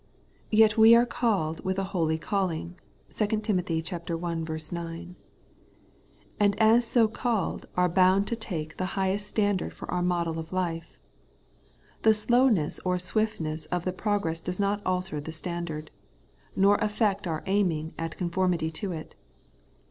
Yet we are called with a holy calling (2 Tim. i 9) ; and as so called, are bound to take the highest standard for our model of life. The slowness or swiftness of the progress does not alter the standard, nor affect our aiming at confoimity to it.